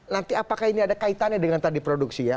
nanti apakah ini ada kaitannya dengan tadi produksi ya